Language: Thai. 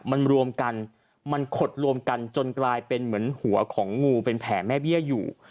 มันรวมกันมันขดรวมกันจนกลายเป็นเหมือนหัวของงูเป็นแผลแม่เบี้ยอยู่